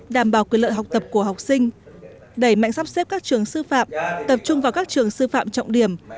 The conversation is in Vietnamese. đảm bảo quyền lợi học tập của học sinh đẩy mạnh sắp xếp các trường sư phạm tập trung vào các trường sư phạm trọng điểm